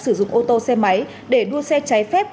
sử dụng ô tô xe máy để đua xe trái phép